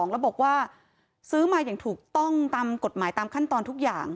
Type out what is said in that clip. แล้วบอกว่าซื้อมาอย่างถูกต้องตามกฎหมายตามขั้นตอนทุกอย่าง